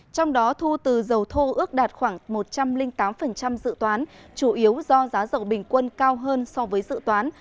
trong đó thu từ dầu thô ước đạt khoảng một trăm linh tám dự toán chủ yếu do giá dầu bình quân cao hơn so với dự toán